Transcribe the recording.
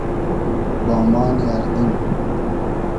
بامان اردیم